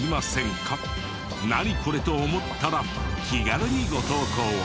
「ナニコレ？」と思ったら気軽にご投稿を。